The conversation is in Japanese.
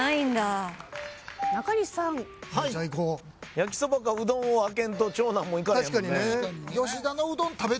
焼きそばかうどんをあけんと超難問いかれへんもんね。